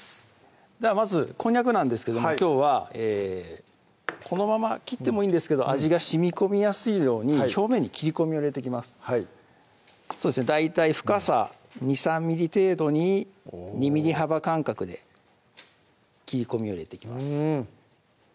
まずこんにゃくなんですけどもきょうはこのまま切ってもいいんですけど味がしみこみやすいように表面に切り込みを入れていきますそうですね大体深さ２３ｍｍ程度に２ｍｍ幅間隔で切り込みを入れていきます